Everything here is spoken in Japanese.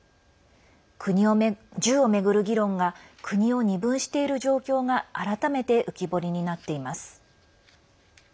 銃を巡る議論が国を二分している状況が改めて浮き彫りになっています。